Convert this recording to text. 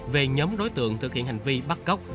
về nhóm đối tượng thực hiện hành vi bắt cóc